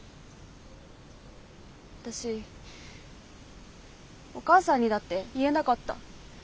私お母さんにだって言えなかった。